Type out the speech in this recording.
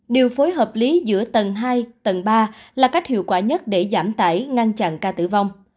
điều phối hợp lý giữa tầng hai tầng ba là cách hiệu quả nhất để giảm tải ngăn chặn ca tử vong